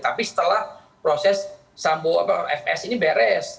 tapi setelah proses fs ini beres